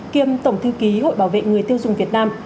kiêm tổng thư ký hội bảo vệ người tiêu dùng việt nam